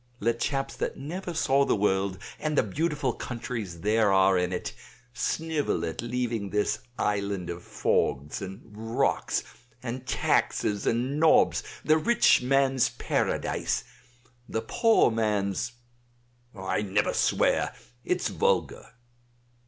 Let chaps that never saw the world, and the beautiful countries there are in it, snivel at leaving this island of fogs and rocks and taxes and nobs, the rich man's paradise, the poor man's I never swear, it's vulgar."